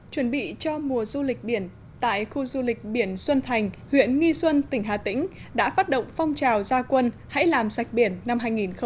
chuẩn bị cho mùa du lịch biển tại khu du lịch biển xuân thành huyện nghi xuân tỉnh hà tĩnh đã phát động phong trào gia quân hãy làm sạch biển năm hai nghìn hai mươi